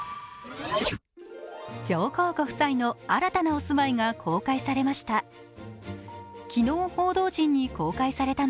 上皇ご夫妻の新たなお住まいが公開されました。